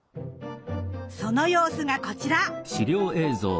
その様子がこちら。